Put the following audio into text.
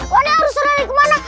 nane harus serahin kemana